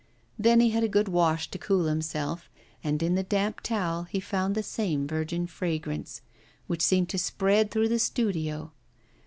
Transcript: Then he had a good wash to cool himself, and in the damp towel he found the same virgin fragrance, which seemed to spread through the studio.